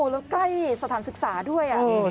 แล้วใกล้สถานศึกษาด้วย